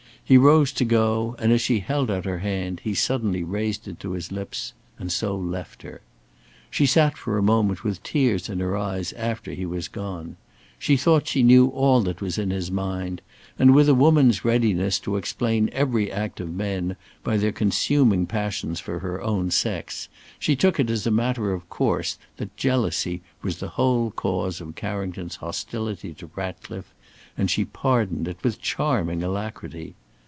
He rose to go, and as she held out her hand, he suddenly raised it to his lips, and so left her. She sat for a moment with tears in her eyes after he was gone. She thought she knew all that was in his mind, and with a woman's readiness to explain every act of men by their consuming passions for her own sex, she took it as a matter of course that jealousy was the whole cause of Carrington's hostility to Ratcliffe, and she pardoned it with charming alacrity.